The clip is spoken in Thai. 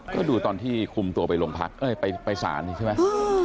ก็ดูตอนที่คุมตัวไปโรงพักเอ้ยไปศาลนี่ใช่ไหม